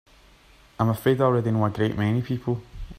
I'm afraid I already know a great many people.